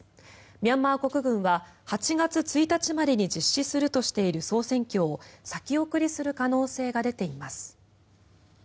ミャンマー国軍は８月１日までに実施するとしている総選挙を先送りする可能性が出ています。